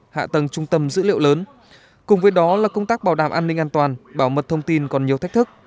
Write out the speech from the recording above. hạ tầng trung tâm dữ liệu lớn cùng với đó là công tác bảo đảm an ninh an toàn bảo mật thông tin còn nhiều thách thức